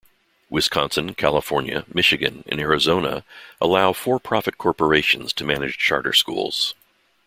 Wisconsin, California, Michigan, and Arizona allow for-profit corporations to manage charter schools.